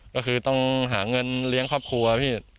ก็คือต้องหาเงินเลี้ยงครอบครัวพี่